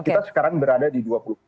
kita sekarang berada di dua puluh empat